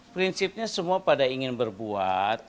prinsipnya semua pada ingin berbuat